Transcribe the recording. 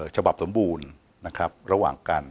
ฉบับสมบูรณ์ระหว่างกัน